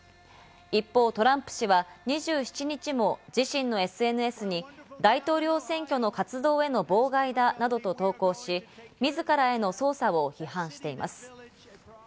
一方、トランプ氏は２７日も自身のＳＮＳに大統領選挙の活動への妨害だなどと投稿し、自らへの捜査を批判しています。